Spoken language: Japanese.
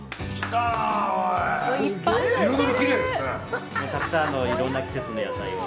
たくさんのいろんな季節の野菜を。